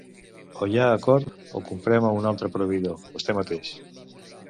O hi ha acord o comprem a un altre proveïdor, vostè mateix.